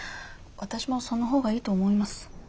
私もその方がいいと思います。